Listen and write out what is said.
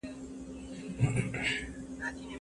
ژوند مرګ ژمی اوړی ساړه داړه کړکی مرګی لوګی